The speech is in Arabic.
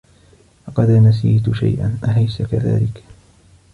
لقد نسيت شيئا، أليس كذلك؟